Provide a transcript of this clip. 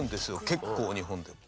結構日本でも。